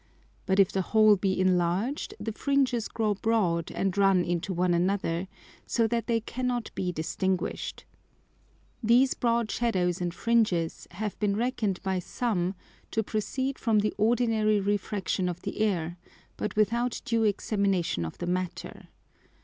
But if the Hole be enlarged the Fringes grow broad and run into one another, so that they cannot be distinguish'd. These broad Shadows and Fringes have been reckon'd by some to proceed from the ordinary refraction of the Air, but without due examination of the Matter.